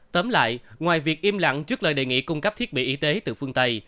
tóm lại ngoài việc im lặng trước lời đề nghị cung cấp thiết bị y tế từ phương tây